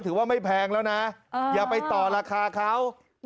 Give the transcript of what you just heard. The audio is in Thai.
ถือว่าไม่แพงแล้วนะอย่าไปต่อราคาเขา